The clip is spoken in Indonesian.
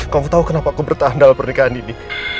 kamu tau kenapa aku bertahan dalam pernikahan ini